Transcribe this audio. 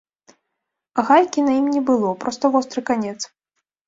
Гайкі на ім не было, проста востры канец.